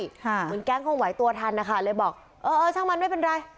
เหมือนแก๊งคงไหวตัวทันนะคะเลยบอกเออเออช่างมันไม่เป็นไร